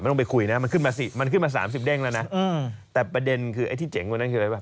ไม่ต้องไปคุยนะมันขึ้นมา๓๐เด้งแล้วนะแต่ประเด็นคือที่เจ๋งกว่านั้นคืออะไร